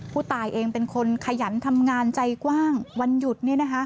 ผู้ตายเองเป็นคนขยันทำงานใจกว้างวันหยุด